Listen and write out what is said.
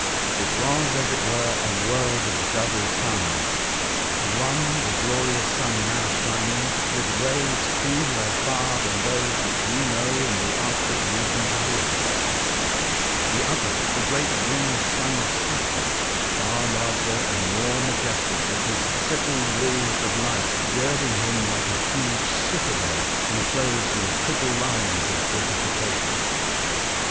It was, as it were, a world of double suns — the one, the glorious Sun, now shining, with rays feebler far than those which you know in the arctic regions of the earth ; the other the great ringed sun of Saturn, far larger and more majestic, with his triple walls of light girding him like a huge Titan. 183 citadel enclosed in triple lines of fortifications.